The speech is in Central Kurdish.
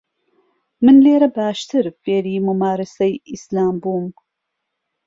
من لێرە باشتر فێری مومارەسەی ئیسلام بووم.